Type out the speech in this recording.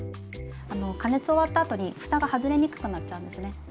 加熱終わったあとにふたが外れにくくなっちゃうんですね。